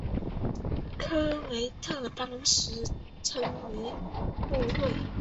科威特当时称为库锐。